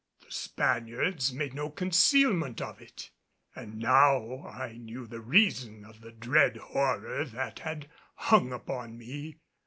The Spaniards made no concealment of it, and now I knew the reason of the dread horror that had hung upon me.